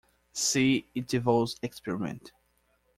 See Eötvös experiment.